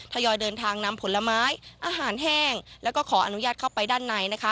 ทยอยเดินทางนำผลไม้อาหารแห้งแล้วก็ขออนุญาตเข้าไปด้านในนะคะ